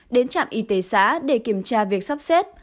đến trạm y tế xã để kiểm tra việc sắp xếp